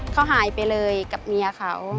เขาหายไปเลยกับเมียเขา